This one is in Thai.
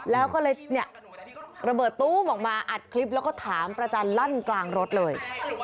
แล้วก็เลยเนี่ยระเบิดตู้มออกมาอัดคลิปแล้วก็ถามประจันทร์ลั่นกลางรถเลย